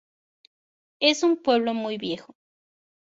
Es un pueblo muy viejo.